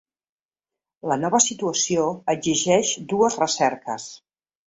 La nova situació exigeix dues recerques.